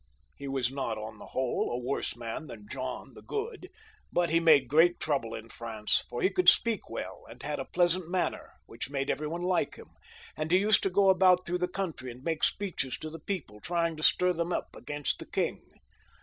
He was not, on the whole, a worse man than John the Good ; but he made great trouble in France, for he could speak well, and had a pleasant manner, which made every one like him, and he used to go about through the country, and make speeches to the people, trying to stir them up against the king.